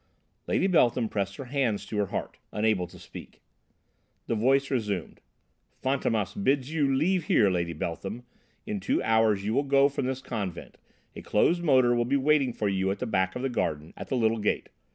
Lady Beltham pressed her hands to her heart, unable to speak. The voice resumed: "Fantômas bids you leave here, Lady Beltham. In two hours you will go from this convent; a closed motor will be waiting for you at the back of the garden, at the little gate.